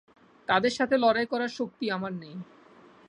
তাদের সাথে লড়াই করার শক্তি আমার নেই।